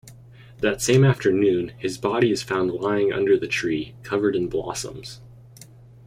That same afternoon, his body is found lying under the tree, covered in blossoms.